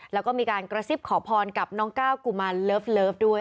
แล้วก็มีการกระซิบขอพรกับน้องก้าวกุมารเลิฟด้วย